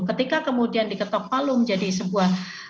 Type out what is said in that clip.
ketika kemudian diketok palu menjadi sebuah